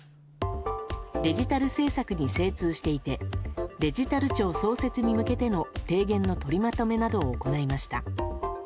デジタル政策に精通していてデジタル庁創設に向けての提言の取りまとめなどを行いました。